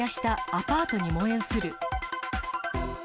アパートに燃え移る。